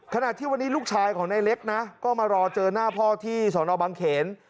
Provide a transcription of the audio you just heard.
ขณะที่วันนี้ลูกชายของในเล็กนะก็มารอเจอหน้าพ่อที่สอนอบังเขน